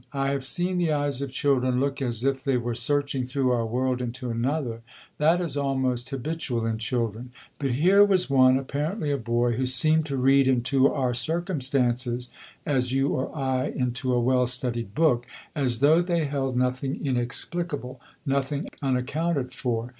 I have seen the eyes of children look as if they were searching through our world into another; that is almost habitual in children. But here was one, apparently a boy, who seemed to read into our circumstances (as you or I into a well studied book) as though they held nothing inexplicable, nothing unaccounted for.